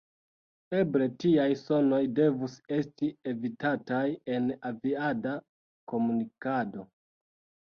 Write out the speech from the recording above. Eble tiaj sonoj devus esti evitataj en aviada komunikado.